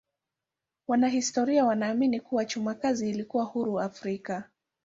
Wanahistoria wanaamini kuwa chuma kazi ilikuwa huru Afrika.